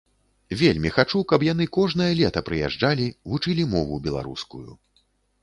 Вельмі хачу, каб яны кожнае лета прыязджалі, вучылі мову беларускую.